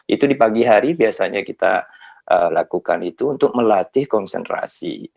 itu di pagi hari biasanya kita lakukan itu untuk melatih konsentrasi